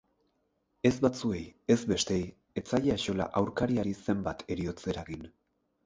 Ez batzuei ez besteei ez zaie axola aurkariari zenbat heriotz eragin.